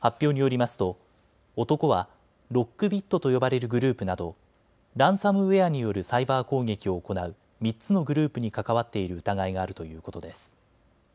発表によりますと男はロックビットと呼ばれるグループなどランサムウエアによるサイバー攻撃を行う３つのグループに関わっている疑いがあるということです。